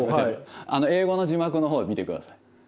英語の字幕の方を見てください。